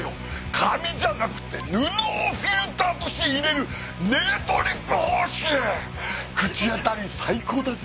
紙じゃなくて布をフィルターとして入れるネルドリップ方式で口当たり最高だぜ。